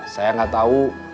saya gak tau